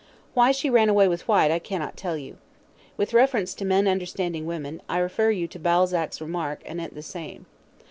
Why she ran away with Whyte I cannot tell you. With reference to men understanding women, I refer you to Balzac's remark anent the same.